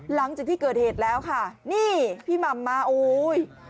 หลังจากที่เกิดเหตุแล้วค่ะนี่พี่หม่ำมาโอ้ย